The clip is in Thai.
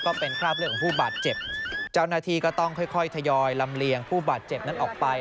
ก็เป็นคราบเลือดของผู้บาดเจ็บเจ้าหน้าที่ก็ต้องค่อยค่อยทยอยลำเลียงผู้บาดเจ็บนั้นออกไป